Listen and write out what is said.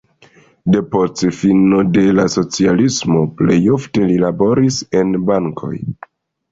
Depost fino de la socialismo plej ofte li laboris en bankoj.